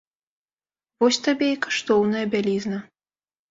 Вось табе і каштоўная бялізна!